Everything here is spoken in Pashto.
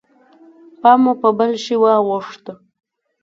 پام مو په بل شي واوښت.